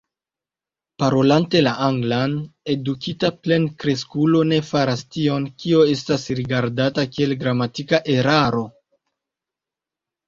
Parolante la anglan, edukita plenkreskulo ne faras tion, kio estas rigardata kiel gramatika eraro.